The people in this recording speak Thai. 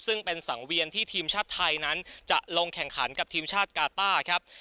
ซึ่งเป็นสังเวียนที่ทีมชาติไทยนั้นจะลงแข่งขันกับทีมชาติกาต้าครับ